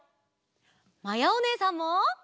まやおねえさんも！